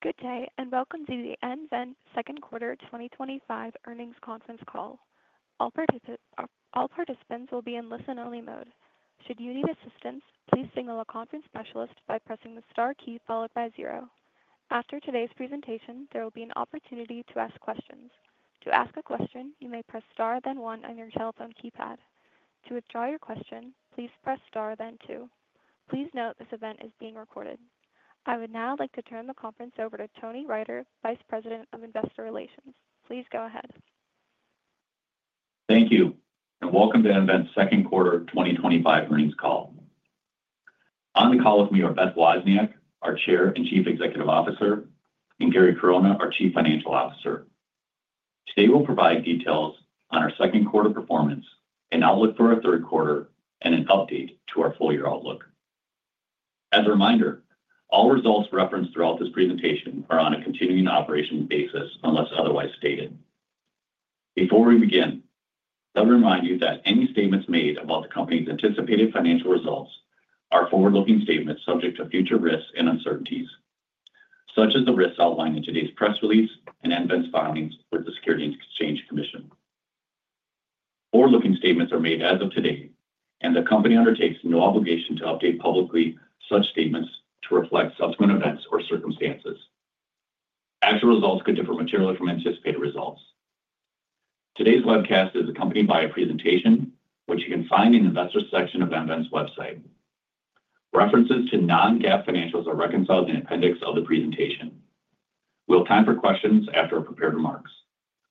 Good day and welcome to the nVent Second Quarter 2025 Earnings Conference call. All participants will be in listen-only mode. Should you need assistance, please signal a conference specialist by pressing the star key followed by zero. After today's presentation, there will be an opportunity to ask questions. To ask a question, you may press star then one on your telephone keypad. To withdraw your question, please press star then two. Please note this event is being recorded. I would now like to turn the conference over to Tony Reiter, Vice President of Investor Relations. Please go ahead. Thank you and welcome to nVent's Second Quarter 2025 Earnings call. On the call with me are Beth Wozniak, our Chair and Chief Executive Officer, and Gary Corona, our Chief Financial Officer. Today we'll provide details on our second quarter performance, an outlook for our third quarter, and an update to our full year outlook. As a reminder, all results referenced throughout this presentation are on a continuing operation basis unless otherwise stated. Before we begin, let me remind you that any statements made about the Company's anticipated financial results are forward-looking statements subject to future risks and uncertainties such as the risks outlined in today's press release and nVent filings with the Securities and Exchange Commission. Forward-looking statements are made as of today and the Company undertakes no obligation to update publicly such statements to reflect subsequent events or circumstances. Actual results could differ materially from anticipated results. Today's webcast is accompanied by a presentation which you can find in the investors section of nVent's website. References to non-GAAP financials are reconciled in the appendix of the presentation. We'll have time for questions after our prepared remarks.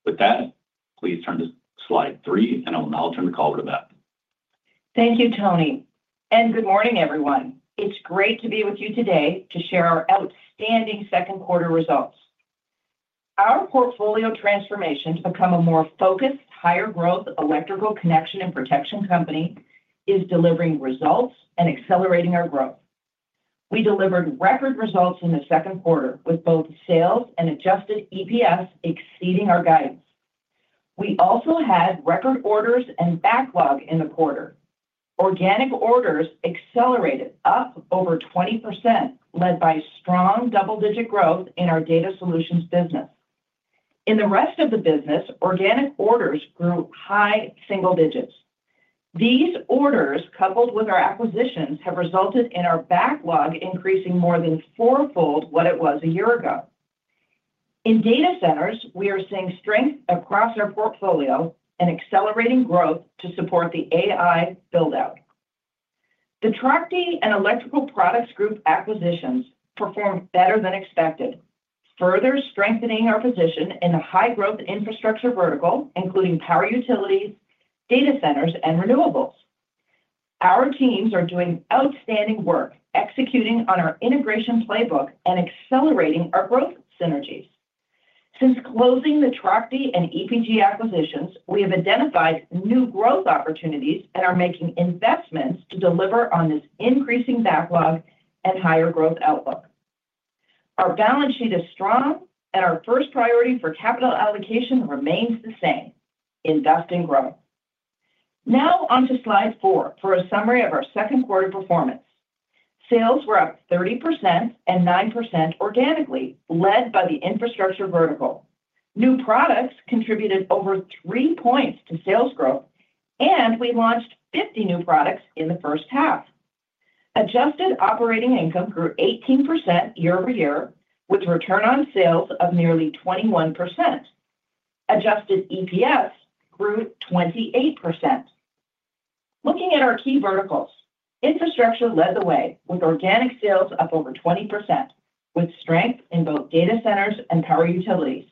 With that, please turn to slide three and I will now turn the call over to Beth. Thank you, Tony, and good morning, everyone. It's great to be with you today to share our outstanding second quarter results. Our portfolio transformation to become a more focused, higher growth electrical connection and protection company is delivering results and accelerating our growth. We delivered record results in the second quarter with both sales and adjusted EPS exceeding our guidance. We also had record orders and backlog. In the quarter, organic orders accelerated up over 20%, led by strong double-digit growth in our data solutions business. In the rest of the business, organic orders grew high single digits. These orders, coupled with our acquisitions, have resulted in our backlog increasing more than fourfold what it was a year ago. In data centers, we are seeing strength across our portfolio and accelerating growth. To support the AI buildout, the TRACHTE and Electrical Products Group acquisitions performed better than expected, further strengthening our position in a high growth infrastructure vertical including power utilities, data centers, and renewables. Our teams are doing outstanding work executing on our integration playbook and accelerating our growth synergies. Since closing the TRACHTE and EPG acquisitions, we have identified new growth opportunities and are making investments to deliver on this increasing backlog and higher growth outlook. Our balance sheet is strong, and our first priority for capital allocation remains the same: invest and grow. Now onto Slide 4 for a summary of our second quarter performance. Sales were up 30% and 9% organically, led by the infrastructure vertical. New products contributed over 3 points to sales growth, and we launched 50 new products in the first half. Adjusted operating income grew 18% year-over-year with return on sales of nearly 21%. Adjusted EPS grew 28%. Looking at our key verticals, infrastructure led the way with organic sales up over 20% with strength in both data centers and power utilities.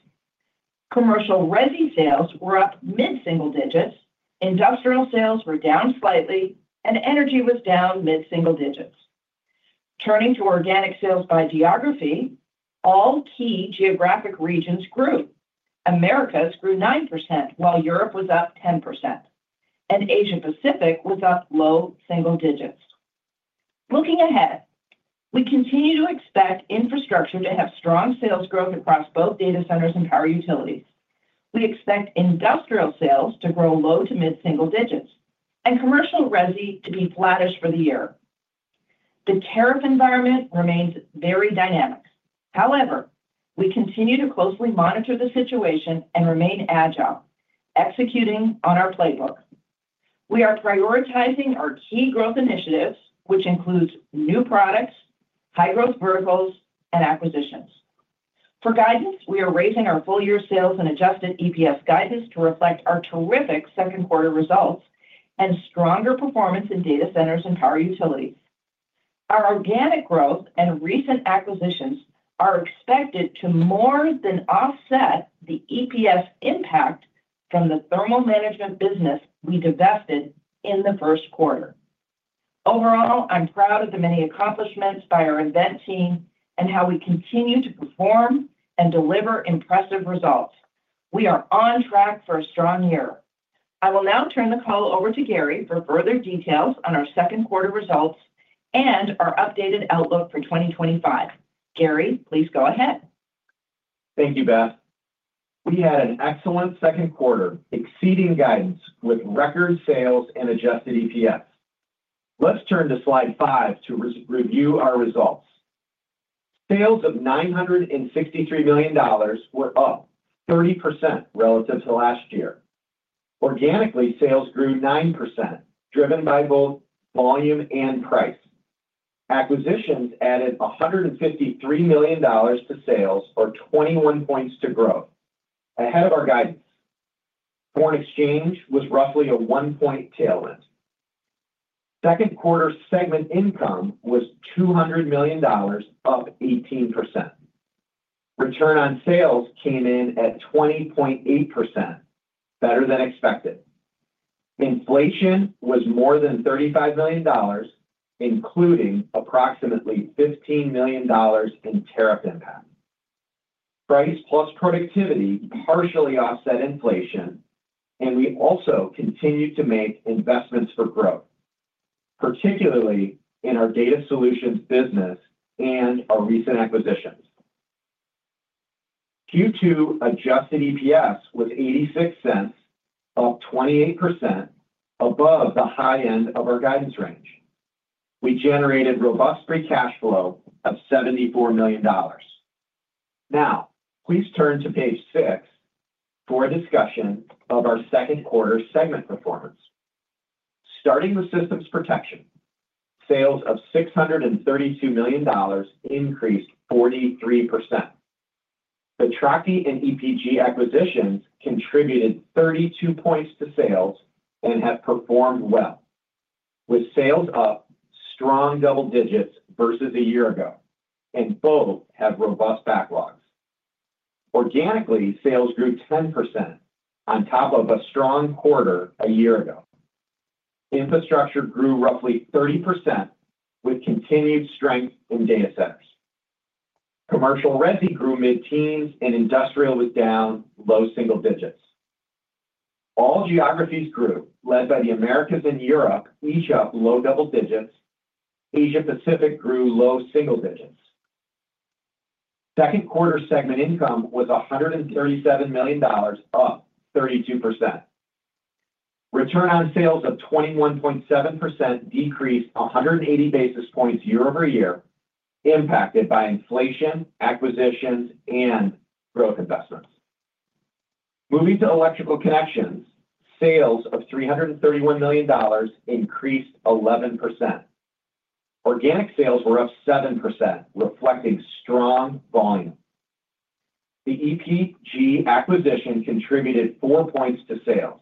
Commercial resi sales were up mid single digits, industrial sales were down slightly, and energy was down mid single digits. Turning to organic sales by geography, all key geographic regions grew. Americas grew 9% while Europe was up 10%, and Asia Pacific was up low single digits. Looking ahead, we continue to expect infrastructure to have strong sales growth across both data centers and power utilities. We expect industrial sales to grow low to mid single digits and commercial resi to be flattish for the year. The tariff environment remains very dynamic. However, we continue to closely monitor the situation and remain agile executing on our playbook. We are prioritizing our key growth initiatives, which includes new products, high growth verticals, and acquisitions. For guidance, we are raising our full year sales and adjusted EPS guidance to reflect our terrific second quarter results and stronger performance in data centers and power utilities. Our organic growth and recent acquisitions are expected to more than offset the EPS impact from the thermal management business we divested in the first quarter. Overall, I'm proud of the many accomplishments by our nVent team and how we continue to perform and deliver impressive results. We are on track for a strong year. I will now turn the call over to Gary for further details on our second quarter results and our updated outlook for 2025. Gary, please go ahead. Thank you, Beth. We had an excellent second quarter, exceeding guidance with record sales and adjusted EPS. Let's turn to Slide 5 to review our results. Sales of $963 million were up 30% relative to last year. Organically, sales grew 9%, driven by both volume and price. Acquisitions added $153 million to sales, or 21 points to growth, ahead of our guidance. Foreign exchange was roughly a 1 point tailwind. Second quarter segment income was $200 million, up 18%. Return on sales came in at 20.8%, better than expected. Inflation was more than $35 million, including approximately $15 million in tariff impact. Price plus productivity partially offset inflation, and we also continue to make investments for growth, particularly in our data solutions business and our recent acquisitions. Q2 adjusted EPS was $0.86, up 28%, above the high end of our guidance range. We generated robust free cash flow of $74 million. Now, please turn to page six for a discussion of our second quarter segment performance. Starting the Systems Protection, sales of $632 million increased 43%. The TRACHTE and EPG acquisitions contributed 32 points to sales and have performed well, with sales up strong double digits both versus a year ago, and both have robust backlogs. Organically, sales grew 10% on top of a strong quarter a year ago. Infrastructure grew roughly 30% with continued strength in data centers. Commercial resi grew mid-teens, and industrial was down low single digits. All geographies grew, led by the Americas and Europe, each up low double digits. Asia Pacific grew low single digits. Second quarter segment income was $137 million, up 32%. Return on sales of 21.7% decreased 180 basis points year-over-year, impacted by inflation, acquisitions, and growth investments. Moving to electrical connections, sales of $331 million increased 11%. Organic sales were up 7%, reflecting strong volume. The EPG acquisition contributed 4 points to sales.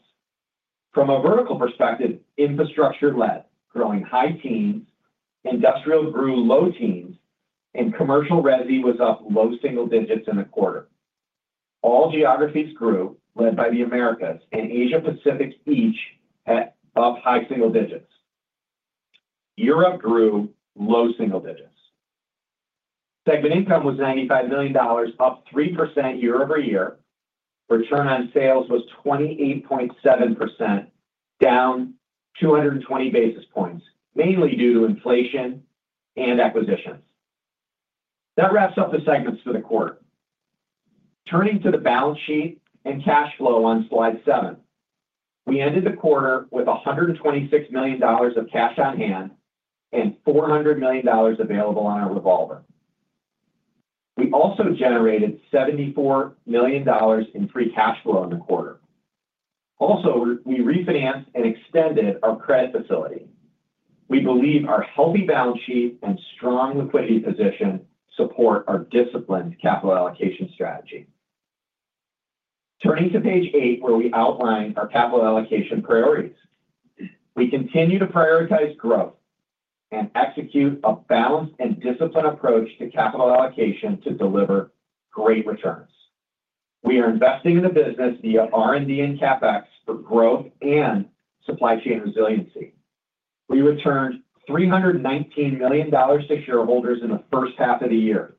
From a vertical perspective, infrastructure led, growing high teens, industrial grew low teens, and commercial resi was up low single digits in the quarter. All geographies grew, led by the Americas and Asia Pacific, each up high single digits. Europe grew low single digits. Segment income was $95 million, up 3% year-over-year. Return on sales was 28.7%, down 220 basis points, mainly due to inflation and acquisitions. That wraps up the segments for the quarter. Turning to the balance sheet and cash flow on Slide 7, we ended the quarter with $126 million of cash on hand and $400 million available on our revolver. We also generated $74 million in free cash flow in the quarter. We refinanced and extended our credit facility. We believe our healthy balance sheet and strong liquidity position support our disciplined capital allocation strategy. Turning to page eight where we outline our capital allocation priorities, we continue to prioritize growth and execute a balanced and disciplined approach to capital allocation to deliver great returns. We are investing in the business via R&D and CapEx for growth and supply chain resiliency. We returned $319 million to shareholders in the first half of the year.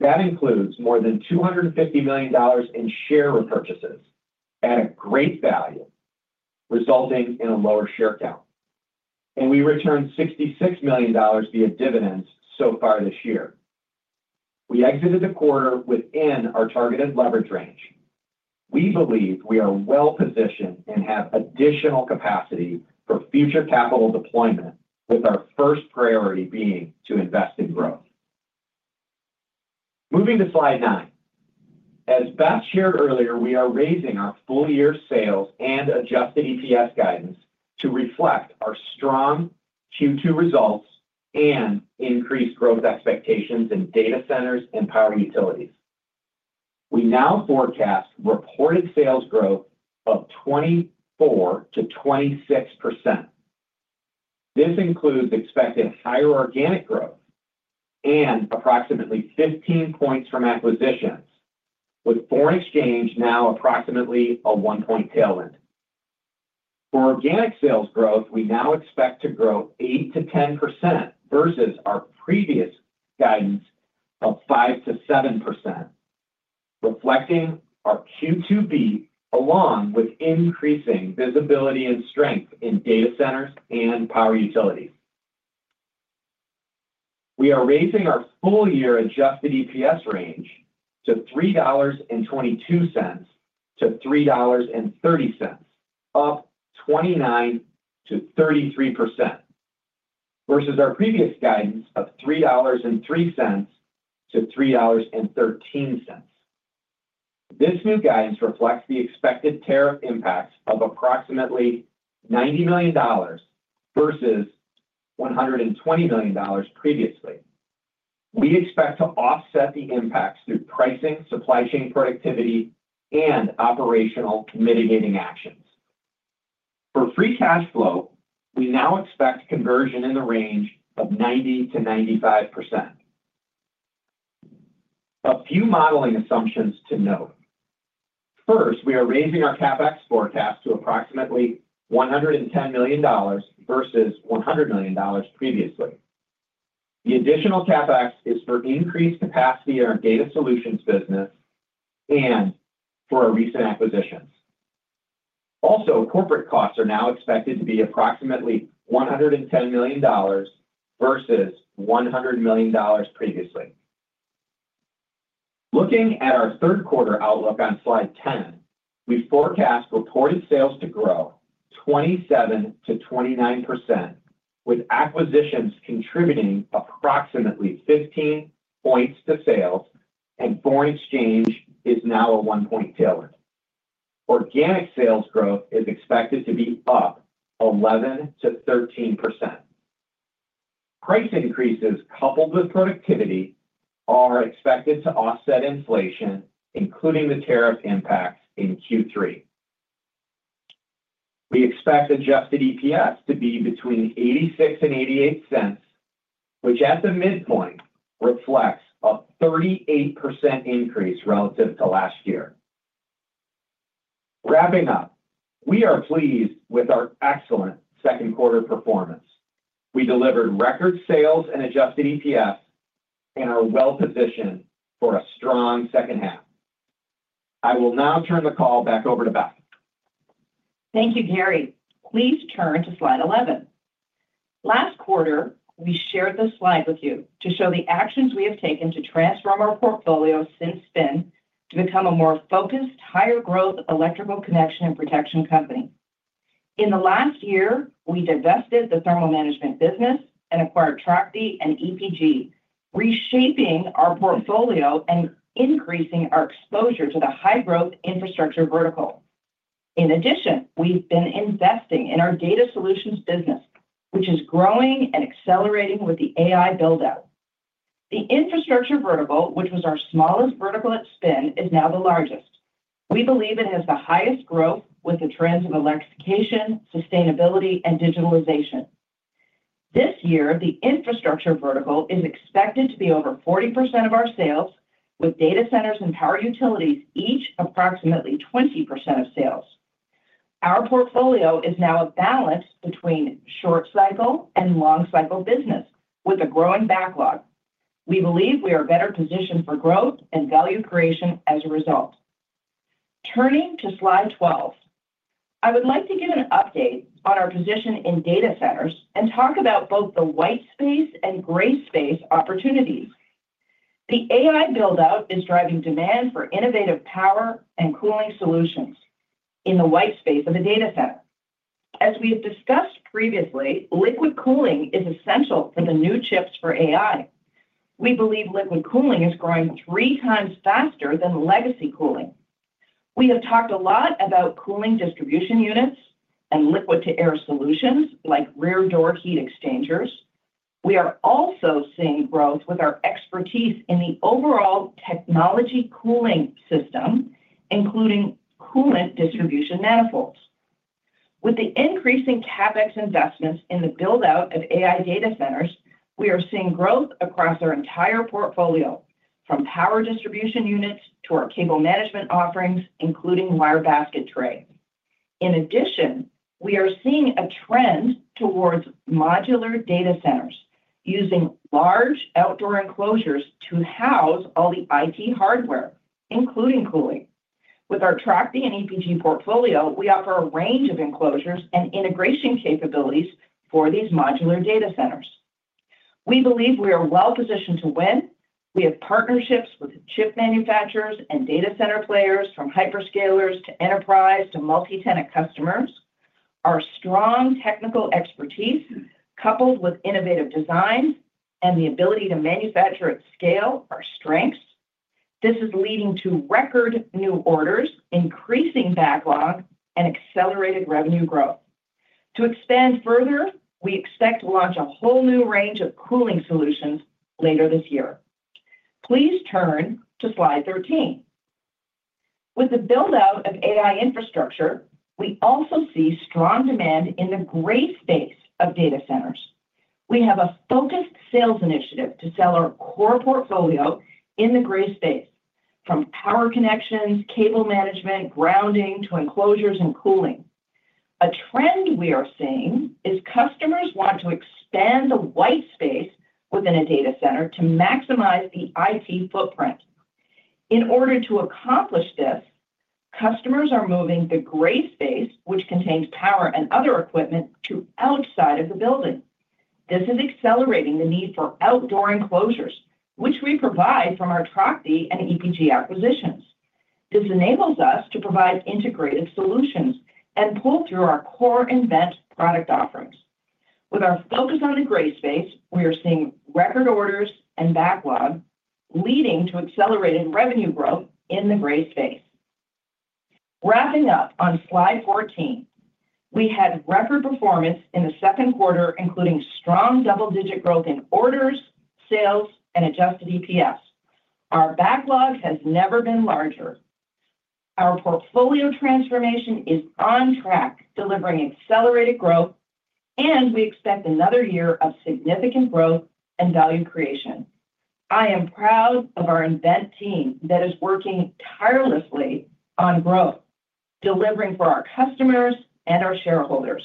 That includes more than $250 million in share repurchases at a great value resulting in a lower share count, and we returned $66 million via dividends so far this year. We exited the quarter within our targeted leverage range. We believe we are well positioned and have additional capacity for future capital deployment, with our first priority being to invest in growth. Moving to Slide 9, as Beth Wozniak shared earlier, we are raising our full year sales and adjusted EPS guidance to reflect our strong Q2 results and increased growth expectations in data centers and power utilities. We now forecast reported sales growth of 24% to 26%. This includes expected higher organic growth and approximately 15 points from acquisitions. With foreign exchange now approximately a 1 point tailwind for organic sales growth, we now expect to grow 8% to 10% versus our previous guidance of 5% to 7%. Reflecting our Q2 beat along with increasing visibility and strength in data centers and power utilities, we are raising our full year adjusted EPS range to $3.22 to $3.30, up 29% to 33% versus our previous guidance of $3.03 to $3.13. This new guidance reflects the expected tariff impacts of approximately $90 million versus $120 million previously. We expect to offset the impacts through pricing, supply chain productivity, and operational mitigating actions. For free cash flow, we now expect conversion in the range of 90% to 95%. A few modeling assumptions to note. First, we are raising our CapEx forecast to approximately $110 million versus $100 million previously. The additional CapEx is for increased capacity in our data solutions business and for our recent acquisitions. Also, corporate costs are now expected to be approximately $110 million versus $100 million previously. Looking at our third quarter outlook on slide 10, we forecast reported sales to grow 27% to 29% with acquisitions contributing approximately 15 points to sales, and foreign exchange is now a 1 point tailwind. Organic sales growth is expected to be up 11% to 13%. Price increases coupled with productivity are expected to offset inflation. Including the tariff impacts in Q3, we expect adjusted EPS to be between $0.86 and $0.88, which at the midpoint reflects a 38% increase relative to last year. Wrapping up, we are pleased with our excellent second quarter performance. We delivered record sales and adjusted EPS and are well positioned for a strong second half. I will now turn the call back over to Beth. Thank you, Gary. Please turn to Slide 11. Last quarter we shared this slide with you to show the actions we have taken to transform our portfolio since then to become a more focused, higher growth electrical connection and protection company. In the last year, we divested the thermal management business and acquired TRACHTE and EPG, reshaping our portfolio and increasing our exposure to the high growth infrastructure vertical. In addition, we've been investing in our data solutions business, which is growing and accelerating with the AI buildout. The infrastructure vertical, which was our smallest vertical at spin, is now the largest. We believe it has the highest growth with the trends of electrification, sustainability, and digitalization. This year, the infrastructure vertical is expected to be over 40% of our sales, with data centers and power utilities each approximately 20% of sales. Our portfolio is now a balance between short cycle and long cycle business. With a growing backlog, we believe we are better positioned for growth and value creation as a result. Turning to Slide 12, I would like to give an update on our position in data centers and talk about both the white space and gray space opportunities. The AI buildout is driving demand for innovative power and cooling solutions in the white space of the data center. As we have discussed previously, liquid cooling is essential for the new chips for AI. We believe liquid cooling is growing three times faster than legacy cooling. We have talked a lot about cooling distribution units and liquid to air solutions like rear door heat exchangers. We are also seeing growth with our expertise in the overall technology cooling system, including coolant distribution manifolds. With the increasing CapEx investments in the build out of AI data centers, we are seeing growth across our entire portfolio from power distribution units to our cable management offerings, including wire basket trays. In addition, we are seeing a trend towards modular data centers using large outdoor enclosures to house all the IT hardware, including cooling. With our TRACHTE and EPG portfolio, we offer a range of enclosures and integration capabilities for these modular data centers. We believe we are well positioned to win. We have partnerships with chip manufacturers and data center players from hyperscalers to enterprise to multi-tenant customers. Our strong technical expertise, coupled with innovative designs and the ability to manufacture at scale, are strengths. This is leading to record new orders, increasing backlog, and accelerated revenue growth. To expand further, we expect to launch a whole new range of cooling solutions later this year. Please turn to Slide 13. With the build out of AI infrastructure, we also see strong demand in the gray space of data centers. We have a focused sales initiative to sell our core portfolio in the gray space, from power connections, cable management, grounding to enclosures and cooling. A trend we are seeing is customers want to expand the white space within a data center to maximize the IT footprint. In order to accomplish this, customers are moving the gray space, which contains power and other equipment, to outside of the building. This is accelerating the need for outdoor enclosures, which we provide from our TRACHTE and EPG acquisitions. This enables us to provide integrated solutions and pull through our core nVent product offerings. With our focus on the gray space, we are seeing record orders and backlog, leading to accelerated revenue growth in the gray space. Wrapping up on Slide 14, we had record performance in the second quarter, including strong double-digit growth in orders, sales, and adjusted EPS. Our backlog has never been larger. Our portfolio transformation is on track, delivering accelerated growth, and we expect another year of significant growth and value creation. I am proud of our nVent team that is working tirelessly on growth, delivering for our customers and our shareholders.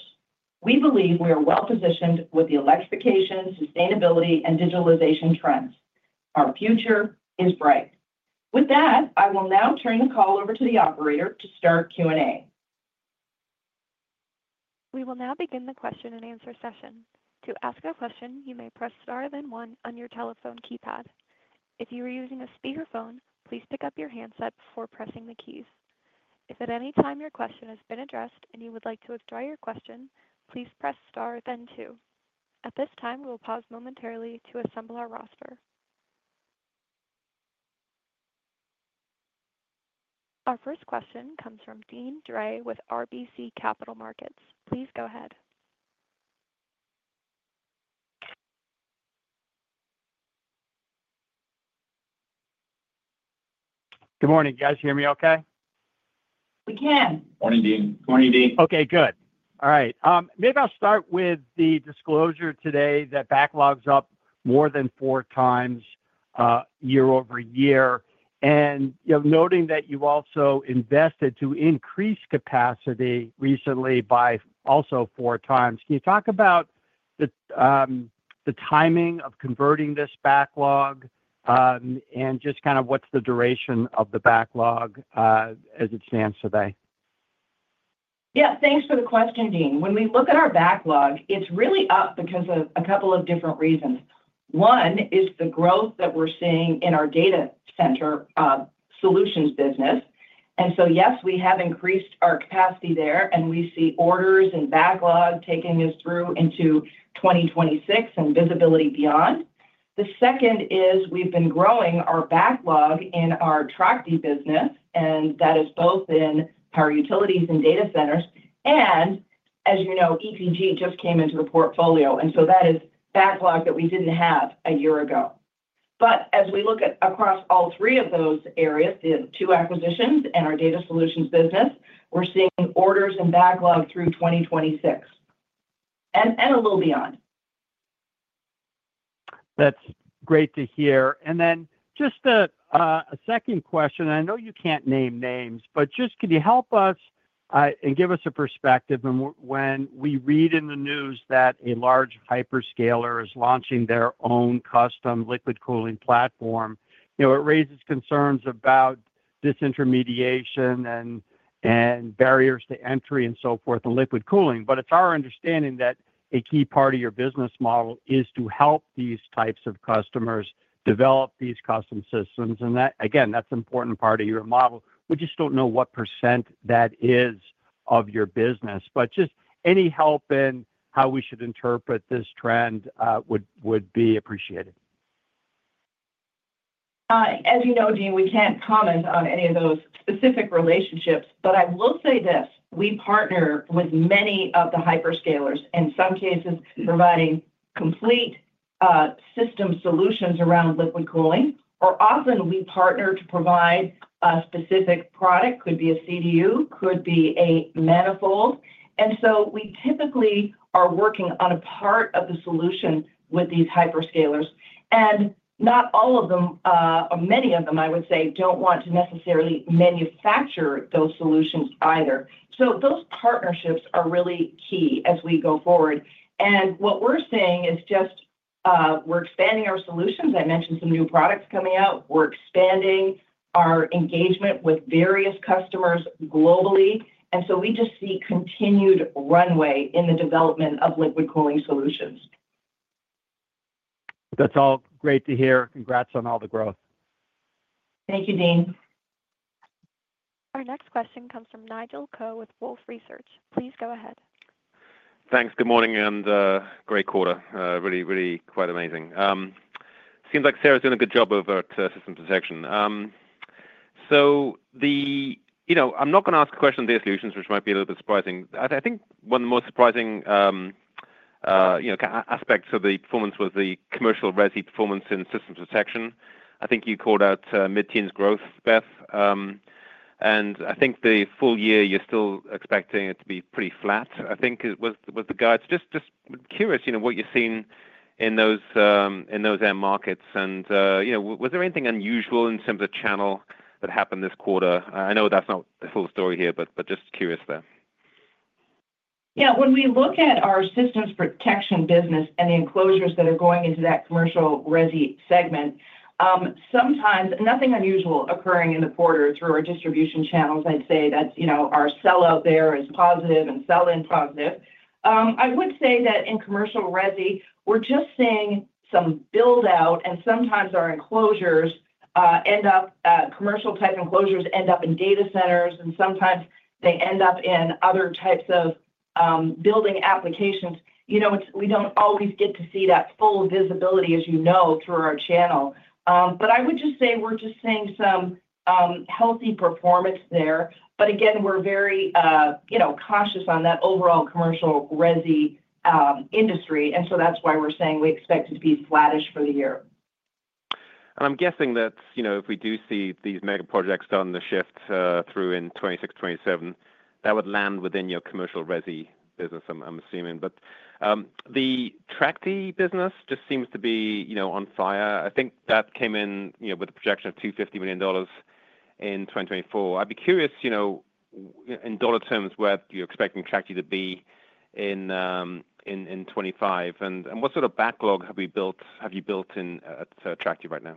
We believe we are well positioned with the electrification, sustainability, and digitalization trends. Our future is bright. With that, I will now turn the call over to the operator to start Q and A. We will now begin the Q&A session. To ask a question, you may press star then one on your telephone keypad. If you are using a speakerphone, please pick up your handset before pressing the keys. If at any time your question has been addressed and you would like to withdraw your question, please press star then two. At this time, we will pause momentarily to assemble our roster. Our first question comes from Deane Dray with RBC Capital Markets. Please go ahead. Good morning, guys. Hear me okay? We can. Good morning, Dean. Okay, maybe I'll start with the disclosure today that backlog's up more than four times year-over-year, and noting that you also invested to increase capacity recently by also four times. Can you talk about the timing of converting this backlog and just kind of what's the duration of the backlog as it stands today? Yeah, thanks for the question, Dean. When we look at our backlog, it's really up because of a couple of different reasons. One is the growth that we're seeing in our data solutions business. Yes, we have increased our capacity there and we see orders and backlog taking us through into 2026 and visibility beyond. The second is we've been growing our backlog in our TRACHTE business and that is both in power utilities and data centers. As you know, EPG just came into the portfolio and that is backlog that we didn't have a year ago. As we look across all three of those areas, the two acquisitions and our data solutions business, we're seeing orders and backlog through 2026 and a little beyond. That's great to hear. Just a second question. I know you can't name names, but can you help us and give us a perspective? When we read in the news that a large hyperscaler is launching their own custom liquid cooling platform, it raises concerns about disintermediation and barriers to entry in liquid cooling. It's our understanding that a key part of your business model is to help these types of customers develop these custom systems, and that's an important part of your model. We just don't know what percent that is of your business. Any help in how we should interpret this trend would be appreciated. As you know, Dean, we can't comment on any of those specific relationships. I will say this. We partner with many of the hyperscalers, in some cases providing complete system solutions around liquid cooling, or often we partner to provide a specific product. Could be a CDU, could be a manifold. We typically are working on a part of the solution with these hyperscalers, and not all of them—many of them, I would say, don't want to necessarily manufacture those solutions either. Those partnerships are really key as we go forward. What we're seeing is we're expanding our solutions. I mentioned some new products coming out, we're expanding our engagement with various customers globally. We just see continued runway in the development of liquid cooling solutions. That's all great to hear. Congrats on all the growth. Thank you, Dean. Our next question comes from Nigel Coe with Wolfe Research. Please go ahead. Thanks. Good morning and great quarter. Really, really quite amazing. Seems like Sara's doing a good job over at System Detection. I'm not going to ask a question of their solutions which might be a little bit surprising. I think one more surprising aspect of the performance was the commercial resi performance in systems protection. I think you called out mid-teens growth, Beth, and I think the full year you're still expecting it to be pretty flat. I think with the guides. Just curious what you've seen in those end markets and was there anything unusual in terms of channel that happened this quarter? I know that's not full story here, but just curious there. Yeah. When we look at our systems protection business and the enclosures that are going into that commercial resi segment, nothing unusual occurring in the quarter through our distribution channels. I'd say that our sell out there is positive and sell in positive. I would say that in commercial resi we're just seeing some build out and sometimes our enclosures, commercial type enclosures, end up in data centers and sometimes they end up in other types of building applications. We don't always get to see that full visibility, as you know, through our channel, but I would just say we're seeing some healthy performance there. We are very cautious on that overall commercial resi industry. That's why we're saying we expect it to be flattish for the year. I'm guessing that if we do see these mega projects starting to shift through in 2026, 2027, that would land within your commercial resi business, I'm assuming. The TRACHTE business just seems to be on fire. I think that came in with the projection of $250 million in 2024. I'd be curious in dollar terms where you're expecting TRACHTE to be in 2025. What sort of backlog have you built in at TRACHTE right now?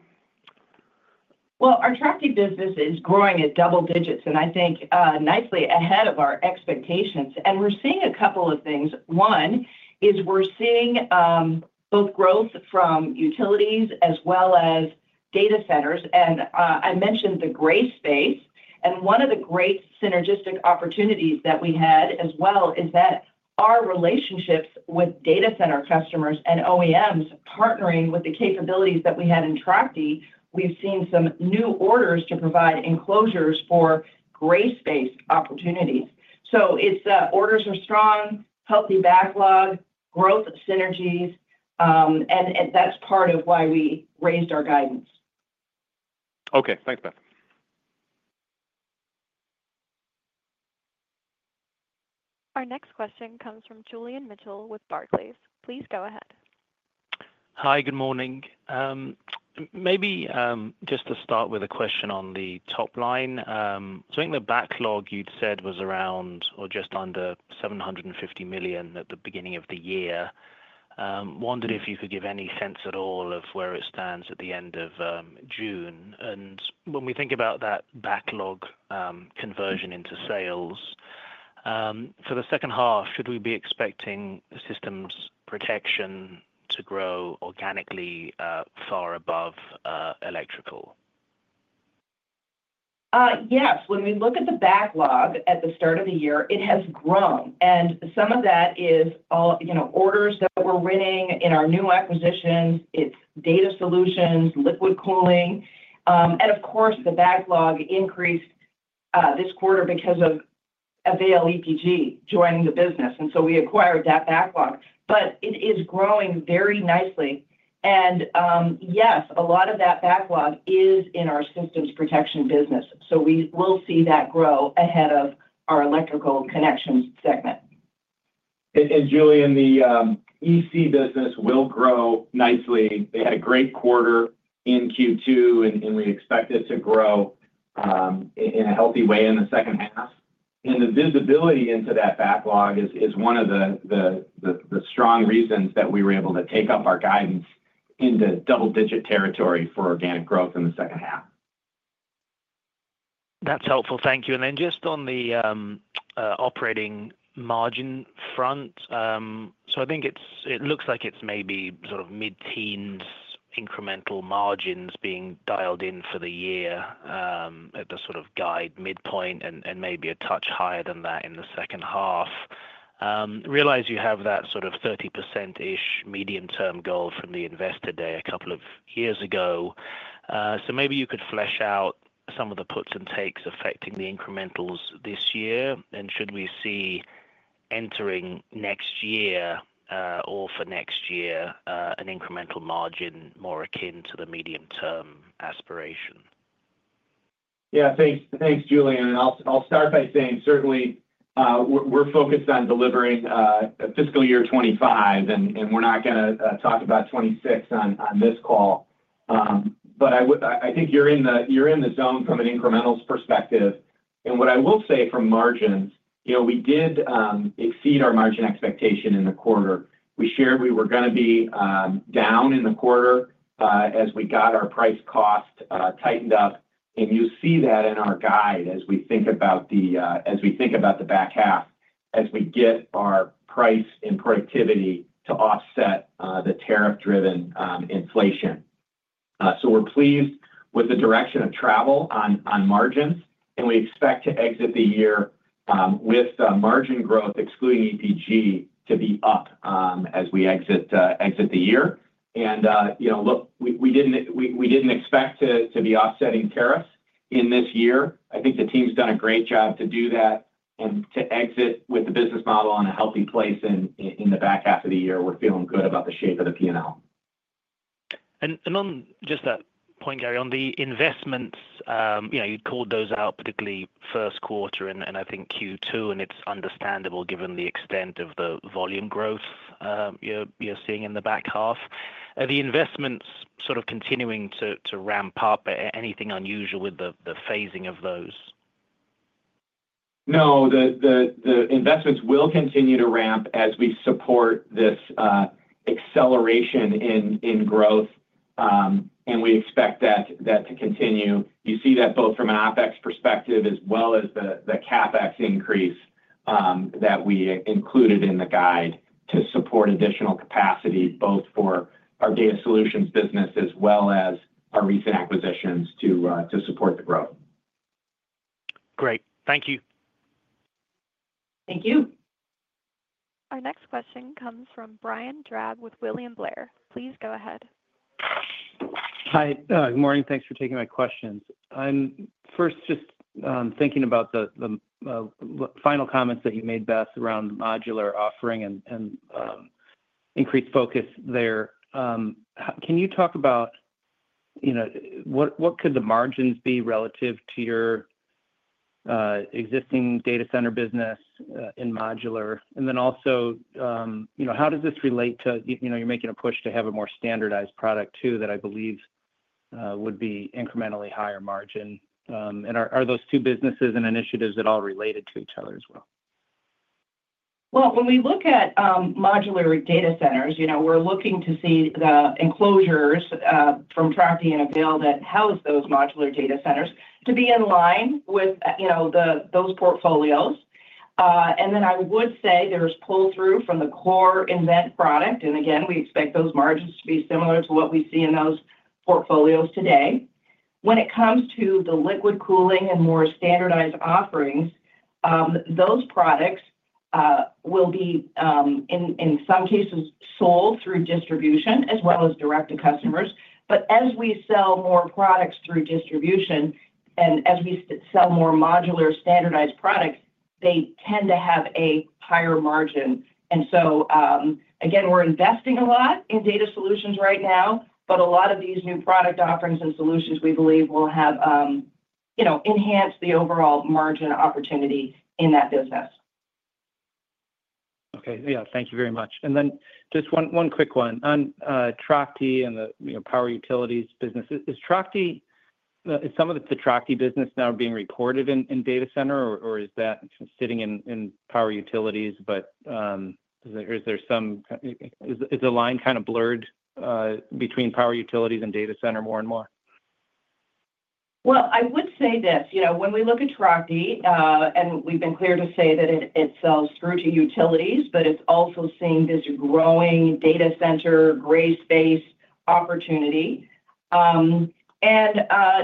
Our TRACHTE business is growing at double digits and I think nicely ahead of our expectations. We're seeing a couple of things. One is we're seeing both growth from utilities as well as data centers. I mentioned the gray space. One of the great synergistic opportunities that we had as well is that our relationships with data center customers and OEMs partnering with the capabilities that we had in TRACHTE. We've seen some new orders to provide enclosures for gray space opportunities. Orders are strong, healthy backlog growth synergies, and that's part of why we raised our guidance. Okay, thanks Beth. Our next question comes from Julian Mitchell with Barclays. Please go ahead. Hi, good morning. Maybe just to start with a question on the top line, the backlog you'd said was around or just under $750 million at the beginning of the year. I wondered if you could give any sense at all of where it stands at the end of June. When we think about that backlog conversion into sales for the second half, should we be expecting systems protection to grow organically far above electrical? Yes, when we look at the backlog at the start of the year, it has grown. Some of that is orders that we're winning in our new acquisitions. It's data solutions, liquid cooling. The backlog increased this quarter because of Avail EPG joining the business. We acquired that backlog, but it is growing very nicely. Yes, a lot of that backlog is in our systems protection business. We will see that grow ahead of our electrical connections segment. Julian, the EC business will grow nicely. They had a great quarter in Q2 and we expect it to grow in a healthy way in the second half. The visibility into that backlog is one of the strong reasons that we were able to take up our guidance into double-digit territory for organic growth in the second half. That's helpful, thank you. Just on the operating margin front, I think it looks like it's maybe sort of mid-teens incremental margins being dialed in for the year at the sort of guide midpoint and maybe a touch higher than that in the second half. I realize you have that sort of 30% medium-term goal from the investor day a couple of years ago. Maybe you could flesh out some of the puts and takes affecting the incrementals this year and should we see entering next year or for next year an incremental margin more akin to the medium-term aspiration? Yeah, thanks. Thanks, Julian. I'll start by saying certainly we're focused on delivering fiscal year 2025 and we're not going to talk about 2026 on this call, but I think you're in the zone from an incrementals perspective. What I will say from margins, we did exceed our margin expectation in the quarter. We shared we were going to be down in the quarter as we got our price cost tightened up. You see that in our guide as we think about the back half as we get our price and productivity to offset the tariff-driven inflation. We're pleased with the direction of travel on margins and we expect to exit the year with margin growth excluding EPG to be up as we exit the year. We didn't expect to be offsetting tariffs in this year. I think the team's done a great job to do that and to exit with the business model in a healthy place in the back half of the year. We're feeling good about the shape of the P&L. On just that point, Gary, on the investments, you called those out particularly first quarter and I think Q2 and it's understandable given the extent of the volume growth you're seeing in the back half, the investments sort of continuing to ramp up. Anything unusual with the phasing of those? No, the investments will continue to ramp as we support this acceleration in growth and we expect that to continue. You see that both from an OpEx perspective as well as the CapEx increase that we included in the guide to support additional capacity both for our data solutions business as well as our recent acquisitions to support the growth. Great, thank you. Thank you. Our next question comes from Brian Drab with William Blair. Please go ahead. Hi, good morning. Thanks for taking my questions. I'm first just thinking about the final comments that you made, Beth, around modular offering and increased focus there. Can you talk about what the margins could be relative to your existing data center business in modular? Also, how does this relate to your making a push to have a more standardized product too that I believe would be incrementally higher margin? Are those two businesses and initiatives at all related to each other as well? When we look at modular data centers, we're looking to see the enclosures from TRACHTE and Avail that house those modular data centers to be in line with those portfolios. I would say there's pull through from the core nVent product. Again, we expect those margins to be similar to what we see in those portfolios today. When it comes to the liquid cooling and more standardized offerings, those products will be in some cases sold through distribution as well as direct to customers. As we sell more products through distribution and as we sell more modular standardized products, they tend to have a higher margin. Again, we're investing a lot in data solutions right now. A lot of these new product offerings and solutions we believe will enhance the overall margin opportunity in that business. Thank you very much. Just one quick one on TRACHTE and the power utilities business. Is TRACHTE, is some of the TRACHTE business now being reported in data center or is that sitting in power utilities? Is the line kind of blurred between power utilities and data center more and more? When we look at TRACHTE, and we've been clear to say that it sells through to utilities, it's also seeing this growing data center gray space opportunity. As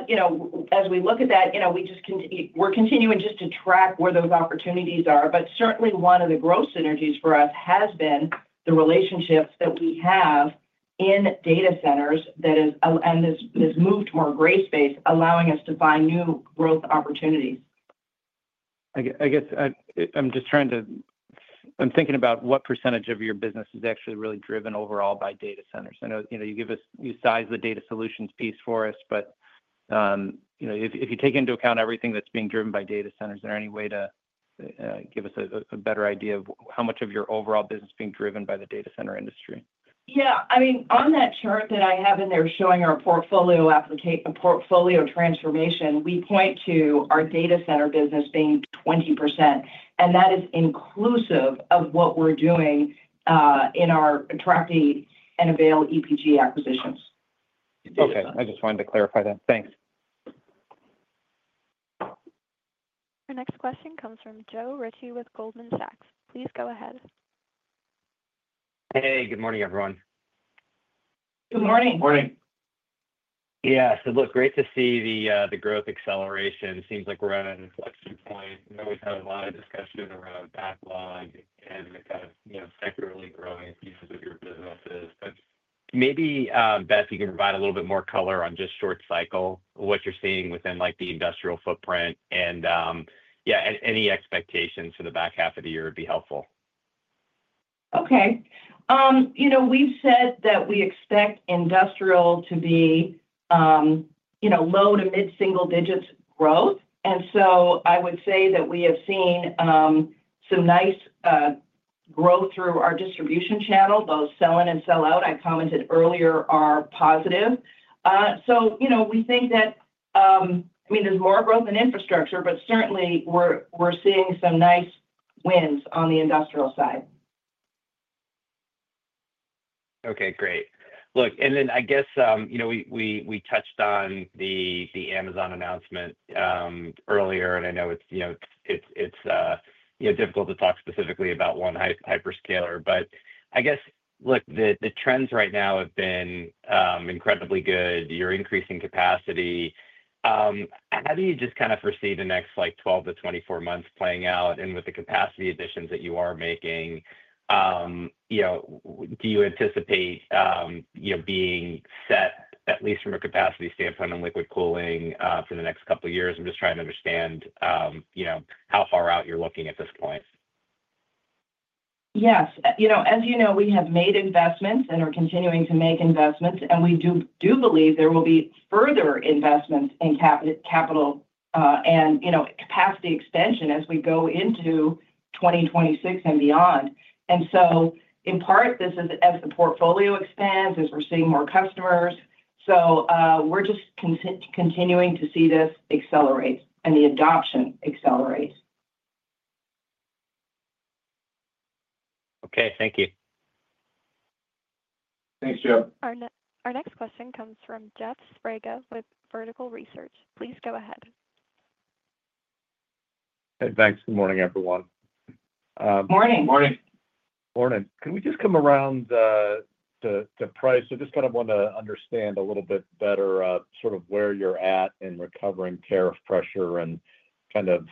we look at that, we just continue, we're continuing just to track where those opportunities are. Certainly, one of the growth synergies for us has been the relationships that we have in data centers. That is, and this move to more gray space is allowing us to find new growth opportunities. I'm thinking about what percentage of your business is actually really driven overall by data centers. I know you give us, you size the data solutions piece for us, but if you take into account everything that's being driven by data centers, is there any way to give us a better idea of how much of your overall business is being driven by the data center industry? Yeah, I mean on that chart that I have in there showing our portfolio application, portfolio transformation, we point to our data center business being 20% and that is inclusive of what we're doing in our TRACHTE and Avail EPG acquisitions. Okay, I just wanted to clarify that. Thanks. Our next question comes from Joe Ritchie with Goldman Sachs. Please go ahead. Hey, good morning everyone. Good morning. Morning. Great to see the growth acceleration. Seems like we're at an inflection point. We've had a lot of discussion around backlog and kind of, you know, secularly growing pieces of your businesses. Maybe, Beth, you can provide a little bit more color on just short cycle, what you're seeing within the industrial footprint. Any expectations for the back half of the year would be helpful. Okay. We've said that we expect industrial to be low to mid single digits growth, and I would say that we have seen some nice growth through our distribution channel. Both sell in and sell out, I commented earlier, are positive. We think that, I mean there's more growth in infrastructure, but certainly we're seeing some nice wins on the industrial side. Okay, great. Look, I guess, you know, we touched on the Amazon announcement earlier and I know it's difficult to talk specifically about one hyperscaler. I guess, look, the trends right now have been incredibly good. You're increasing capacity. How do you just kind of foresee the next 12 to 24 months playing out? With the capacity additions that you are making, do you anticipate being set at least from a capacity standpoint on liquid cooling solutions for the next couple of years? I'm just trying to understand how far out you're looking at this point. Yes, as you know, we have made investments and are continuing to make investments, and we do believe there will be further investments in capital and capacity extension as we go into 2026 and beyond. In part, this is as the portfolio expands, as we're seeing more customers. We're just continuing to see this accelerate and the adoption accelerates. Okay, thank you. Thanks Joe. Our next question comes from Jeff Sprague with Vertical Research. Please go ahead. Thanks. Good morning, everyone. Morning. Morning. Morning. Can we just come around to price? I just kind of want to understand a little bit better sort of where you're at in recovering tariff pressure and kind of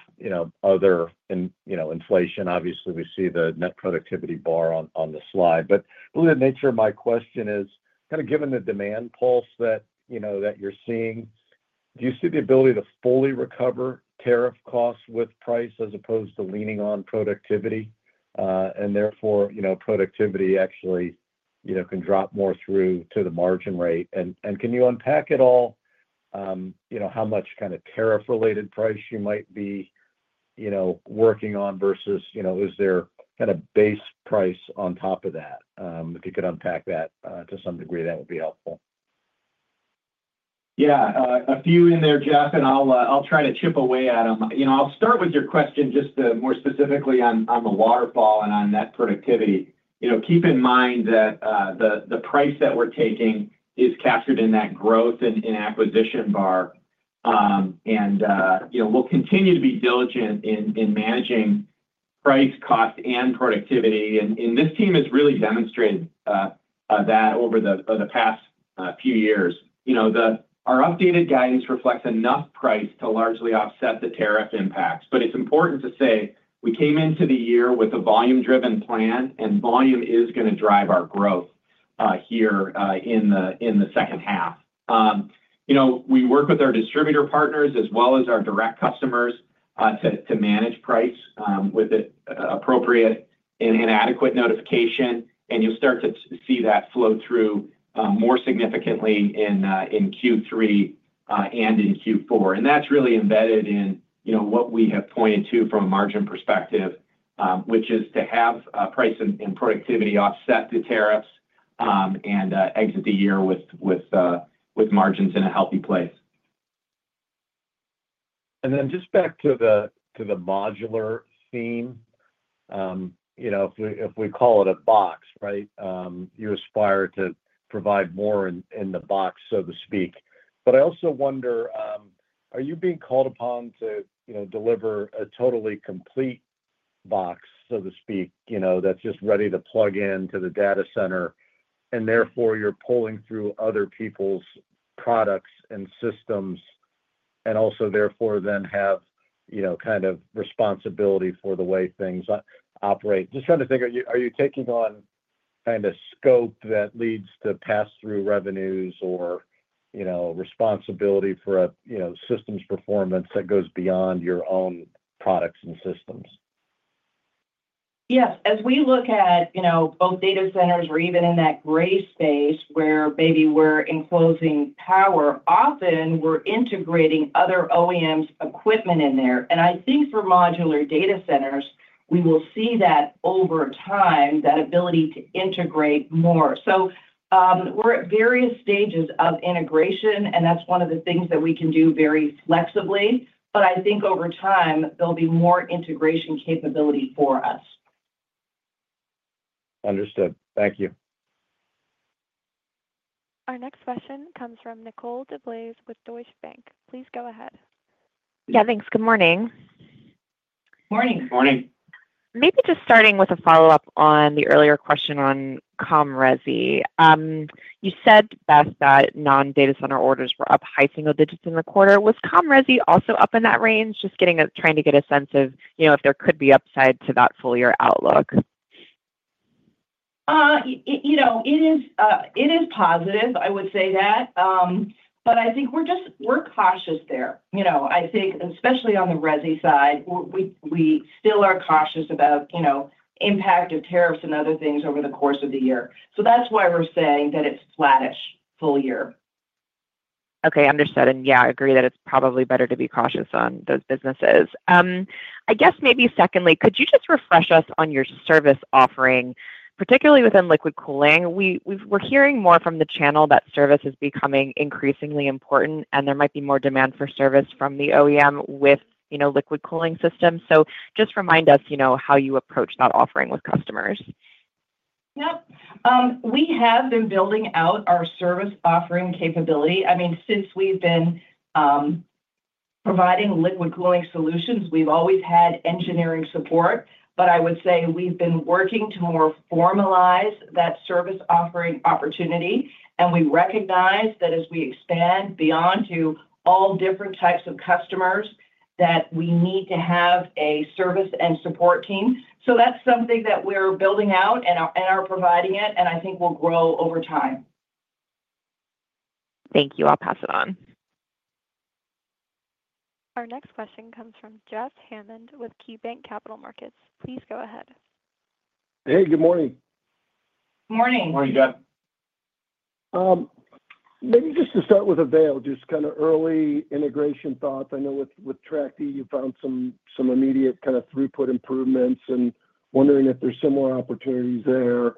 other inflation. Obviously, we see the net productivity bar on the slide, but really the nature of my question, kind of given the demand pulse that you know, that you're seeing, do you see the ability to fully recover tariff costs with price as opposed to leaning on productivity and therefore, you know, productivity actually can drop more through to the margin rate. Can you unpack at all, you know, how much kind of tariff related price you might be, you know, working on versus, you know, is there kind of base price on top of that? If you could unpack that to some degree, that would be helpful. Yeah, a few in there, Jeff, and I'll try to chip away at them. I'll start with your question just more specifically on the waterfall and on net productivity. Keep in mind that the price that we're taking is captured in that growth and acquisition bar. We'll continue to be diligent in managing price, cost, and productivity. This team has really demonstrated that over the past few years. Our updated guidance reflects enough price to largely offset the tariff impacts. It's important to say we came into the year with a volume driven plan and volume is going to drive our growth here in the second half. We work with our distributor partners as well as our direct customers to manage price with appropriate and adequate notification and you'll start to see that flow through more significantly in Q3 and in Q4. That's really embedded in what we have pointed to from a margin perspective, which is to have price and productivity offset the tariffs and exit the year with margins in a healthy place. Just back to the modular theme, if we call it a box, right, you aspire to provide more in the box, so to speak. I also wonder, are you being called upon to deliver a totally complete box, so to speak, that's just ready to plug in to the data center and therefore you're pulling through other people's products and systems and also therefore then have responsibility for the way things operate? Just trying to think, are you taking on kind of scope that leads to pass through revenues or responsibility for a systems performance that goes beyond your own products and systems. Yes. As we look at, you know, both data centers or even in that gray space where maybe we're enclosing power, often we're integrating other OEMs' equipment in there. I think for modular data centers we will see that over time, that ability to integrate more. We're at various stages of integration, and that's one of the things that we can do very flexibly. I think over time there'll be more integration capability for us. Understood, thank you. Our next question comes from Nicole DeBlaise with Deutsche Bank. Please go ahead. Yeah, thanks. Good morning. Morning. Morning. Maybe just starting with a follow up on the earlier question on resi, you said, Beth, that non data center orders were up high single digits in the quarter. Was resi also up in that range? Just trying to get a sense of, you know, if there could be upside to that full year outlook. It is positive. I would say that. I think we're just, we're cautious there. I think especially on the resi side, we still are cautious about, you know, impact of tariffs and other things over the course of the year. That's why we're saying that it's flattish full year. Okay, understood. Yeah, I agree that it's probably better to be cautious on those businesses. I guess maybe secondly, could you just refresh us on your service offering, particularly with liquid cooling? We're hearing more from the channel. That service is becoming increasingly important and there might be more demand for service from the OEM with, you know, liquid cooling systems. Just remind us, you know, how you approach that offering with customers. Yep. We have been building out our service offering capability. Since we've been providing liquid cooling solutions, we've always had engineering support, but I would say we've been working to more formalize that service offering opportunity. We recognize that as we expand beyond to all different types of customers that we need to have a service and support team. That's something that we're building out and are providing it and I think will grow over time. Thank you. I'll pass it on. Our next question comes from Jeff Hammond with KeyBanc Capital Markets. Please go ahead. Hey, good morning. Morning, Morning, Jeff. Maybe just to start with Avail, just kind of early integration thoughts. I know with TRACHTE you found some immediate kind of throughput improvements, and wondering if there's similar opportunities there.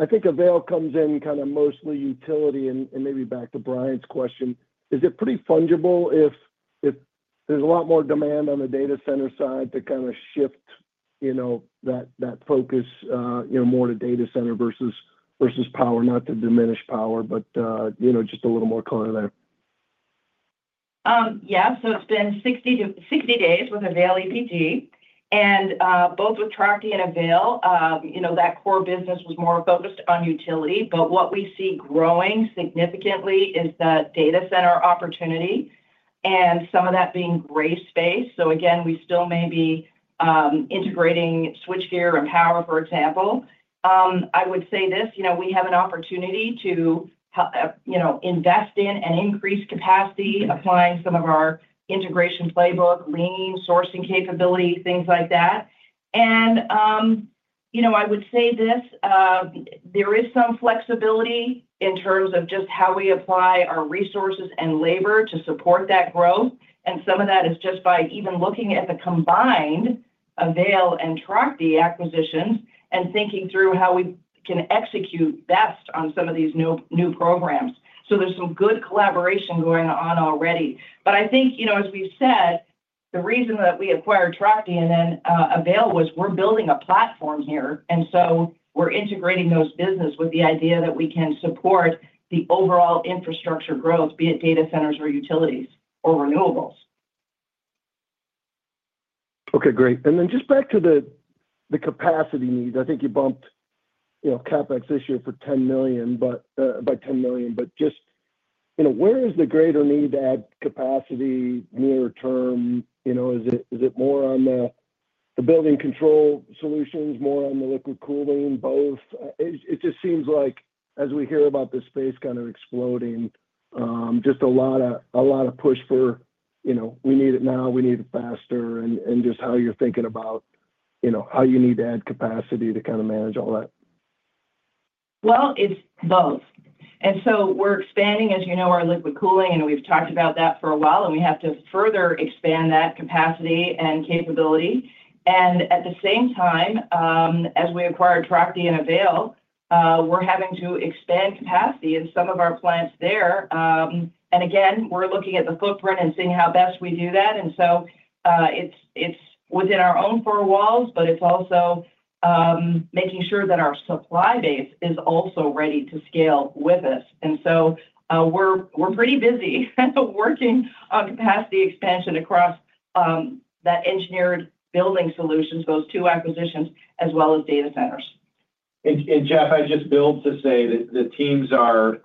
I think Avail comes in kind of mostly utility, and maybe back to Brian's question, is it pretty fungible if there's a lot more demand on the data center side to kind of shift that focus more to data center versus power. Not to diminish power, but just a little more color there? Yeah. So it's been 60 days with Avail EPG and both with TRACHTE and Avail. You know, that core business was more focused on utility, but what we see growing significantly is the data center opportunity and some of that being grace based. We still may be integrating switchgear and power, for example. I would say this, you know, we have an opportunity to invest in and increase capacity, applying some of our integration playbook, lean sourcing capability, things like that. I would say this, there is some flexibility in terms of just how we apply our resources and labor to support that growth. Some of that is just by even looking at the combined Avail and TRACHTE acquisitions and thinking through how we can execute best on some of these new programs. There's some good collaboration going on already. I think, you know, as we said, the reason that we acquired TRACHTE and Avail was we're building a platform here and we're integrating those businesses with the idea that we can support the overall infrastructure growth, be it data centers or utilities or renewables. Okay, great. Just back to the capacity need. I think you bumped CapEx this year by $10 million. Just, you know, where is the greater need to add capacity near term? Is it more on the building control solutions, more on the liquid cooling solutions, or both? It just seems like as we hear about this space kind of exploding, there is a lot of push for, you know, we need it now, we need it faster. Just how you're thinking about how you need to add capacity to kind of manage all that? It's both. We're expanding, as you know, our liquid cooling and we've talked about that for a while. We have to further expand that capacity and capability. At the same time as we acquired TRACHTE and Avail, we're having to expand capacity in some of our plants there. We're looking at the footprint and seeing how best we do that. It's within our own four walls, but it's also making sure that our supply base is also ready to scale with us. We're pretty busy working on capacity expansion across that engineered building solutions, those two acquisitions as well as data. Centers. And Jeff, I just want to say that the teams are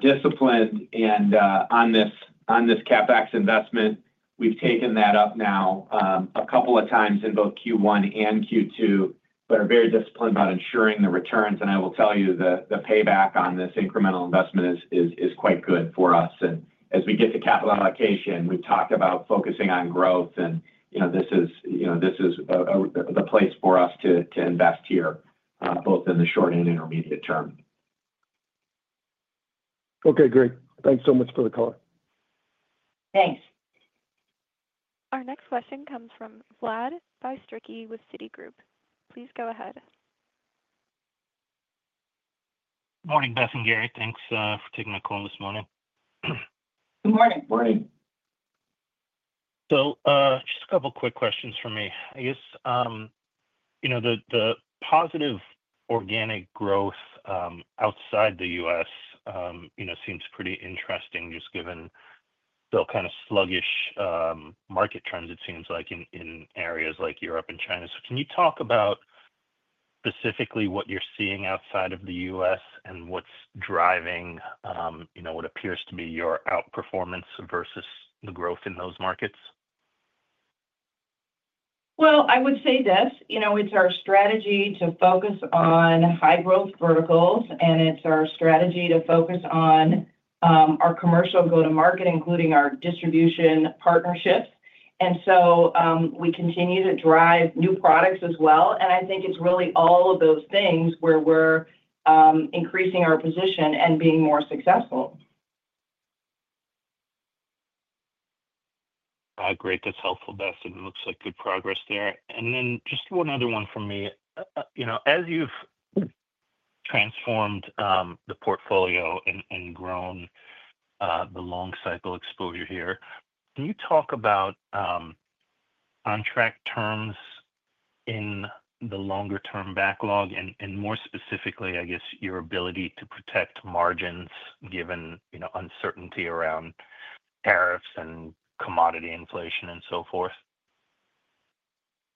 disciplined on this CapEx investment. We've taken that up now a couple of times in both Q1 and Q2, but are very disciplined about ensuring the returns. I will tell you, the payback on this incremental investment is quite good for us. As we get to capital allocation, we've talked about focusing on growth. This is the place for us to invest here, both in the short and intermediate term. Okay, great. Thanks so much for the call. Thanks. Our next question comes from Vlad Bystricky with Citigroup. Please go ahead. Morning Beth and Gary, thanks for taking my call this morning. Good morning. Morning. Just a couple quick questions for me. I guess the positive organic growth outside the U.S. seems pretty interesting just given still kind of sluggish market trends. It seems like in areas like Europe and China. Can you talk about specifically what you're seeing outside of the U.S. and what's driving what appears to be your outperformance versus the growth in those markets? It is our strategy to focus on high growth verticals and our strategy to focus on our commercial go to market, including our distribution partnerships. We continue to drive new products as well. I think it's really all of those things where we're increasing our position and being more successful. Great, that's helpful, Beth. It looks like good progress there. Just one other one for me. You know, as you've transformed the portfolio and grown the long cycle exposure here, can you talk about on track terms in the longer term backlog and more specifically, I guess your ability to protect margins given uncertainty around tariffs and commodity inflation and so forth?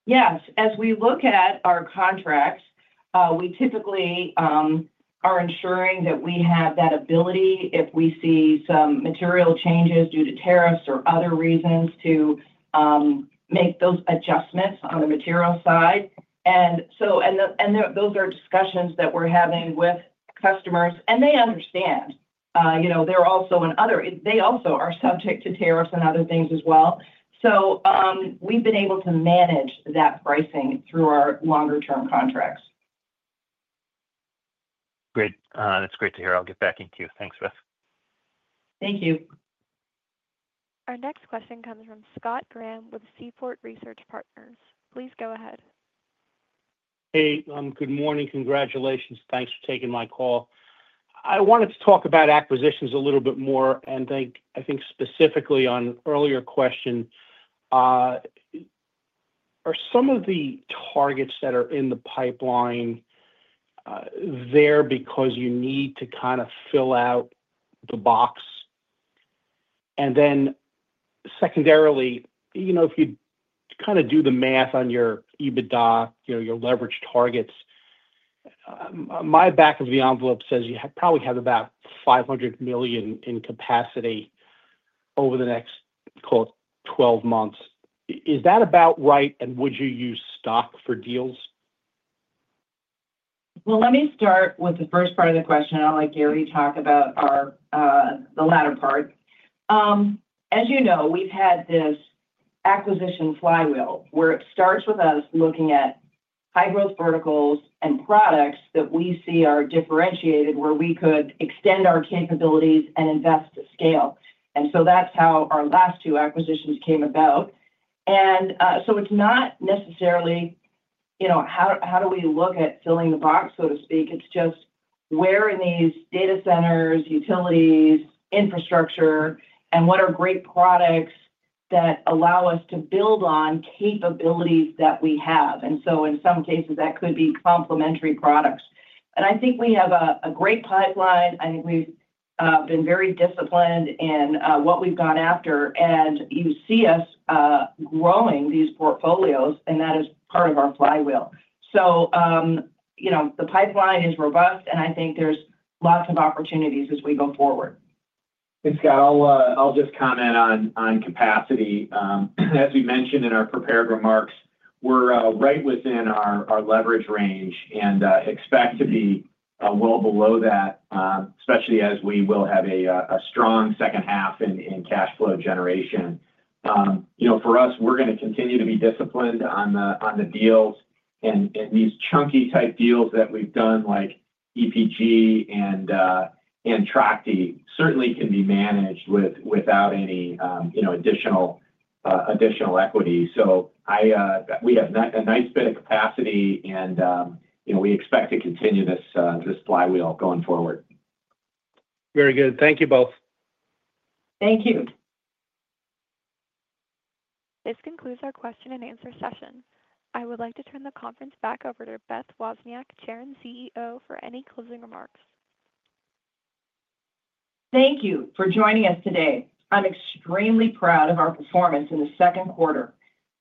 Yes. As we look at our contracts, we typically are ensuring that we have that ability if we see some material changes due to tariffs or other reasons to make those adjustments on the material side. Those are discussions that we're having with customers and they understand, you know, they're also in other. They also are subject to tariffs and other things as well. We've been able to manage that pricing through our longer term contracts. Great, that's great to hear. I'll get back to you. Thanks, Beth. Thank you. Our next question comes from Scott Graham with Seaport Research Partners. Please go ahead. Hey, good morning. Congratulations. Thanks for taking my call. I wanted to talk about acquisitions a little bit more, and I think specifically on earlier questions. Are some of the. Targets that are in the pipeline there because you need to kind of fill out the box. Secondarily, if you kind of do the math on your EBITDA, your leverage targets, my back of the envelope says you probably have about $500 million in capacity over the next, call it, 12 months. Is that about right? Would you use stock for deals? Let me start with the first part of the question. I'll let Gary talk about the latter part. As you know, we've had this acquisition flywheel where it starts with us looking at high growth verticals and products that we see are differentiated where we could extend our capabilities and invest in to scale. That's how our last two acquisitions came about. It's not necessarily how do we look at filling the box, so to speak, it's just where in these data centers, utilities, infrastructure, and what are great products that allow us to build on capabilities that we have. In some cases that could be complementary products. I think we have a great pipeline. I think we've been very disciplined in what we've gone after and you see us growing these portfolios and that is part of our flywheel. The pipeline is robust and I think there's lots of opportunities as we go forward. Scott, I'll just comment on capacity. As we mentioned in our prepared remarks, we're right within our leverage range and expect to be well below that, especially as we will have a strong second half in cash flow generation for us. We're going to continue to be disciplined on the deals and these chunky type deals that we've done like EPG and TRACHTE certainly can be managed without any additional equity. We have a nice bit of capacity and we expect to continue this flywheel going forward. Very good. Thank you both. Thank you. This concludes our Q&A session. I would like to turn the conference back over to Beth Wozniak, Chair and CEO, for any closing remarks. Thank you for joining us today. I'm extremely proud of our performance in the second quarter.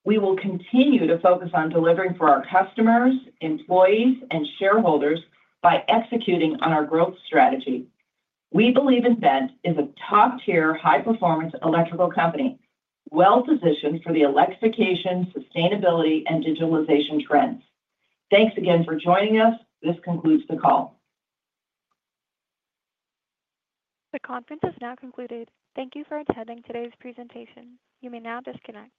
We will continue to focus on delivering for our customers, employees, and shareholders by executing on our growth strategy. We believe nVent is a top-tier, high-performance electrical company well positioned for the electrification, sustainability, and digitalization trends. Thanks again for joining us. This concludes the call. The conference has now concluded. Thank you for attending today's presentation. You may now disconnect.